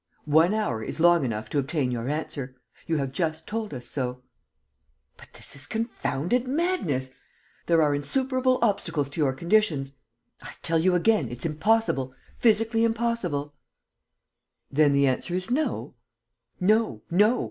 "One hour is long enough to obtain your answer; you have just told us so." "But this is confounded madness! There are insuperable obstacles to your conditions. I tell you again, it's impossible, physically impossible." "Then the answer is no?" "No! No!